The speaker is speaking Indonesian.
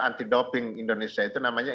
anti doping indonesia itu namanya